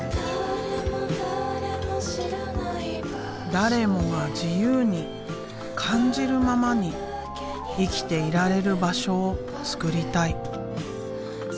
誰もが自由に感じるままに生きていられる場所を作りたい。